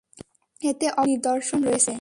এতে অবশ্যই নিদর্শন রয়েছে।